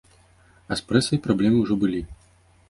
А з прэсай праблемы ўжо былі.